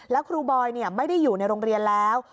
แล้วครูบอยไม่ได้อยู่ในโรงเรียนแล้ว